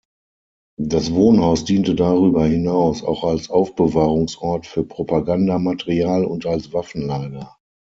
Das Wohnhaus diente darüber hinaus auch als Aufbewahrungsort für Propagandamaterial und als Waffenlager.